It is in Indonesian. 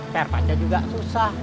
per patient juga susah